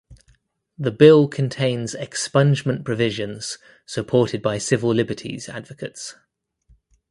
The bill contains expungement provisions supported by civil liberties advocates.